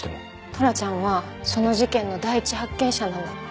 トラちゃんはその事件の第一発見者なんだって。